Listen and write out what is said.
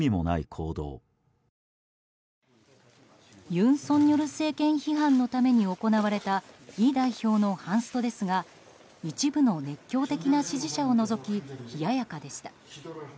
尹錫悦政権批判のために行われたイ代表のハンストですが一部の熱狂的な支持者を除き冷ややかでした。